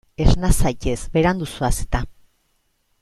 Esna zaitez, berandu zoaz eta.